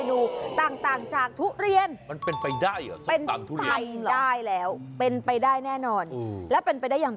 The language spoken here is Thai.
เข้าทุเรียนอยู่นี่เห็นไหม